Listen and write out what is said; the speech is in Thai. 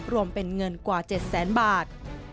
รวมเป็นเงินกว่า๗แสนบาท